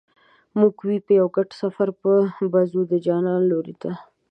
موږ وې په یو ګډ سفر به ځو د جانان لوري ته